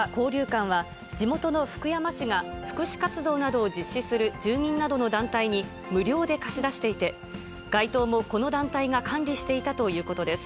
設置されている相方交流館は、地元の福山市が福祉活動などを実施する住民などの団体に無料で貸し出していて、街灯もこの団体が管理していたということです。